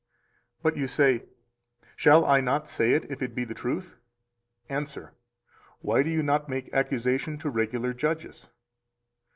But you say: 270 Shall I not say it if it be the truth? Answer: Why do you not make accusation to regular judges?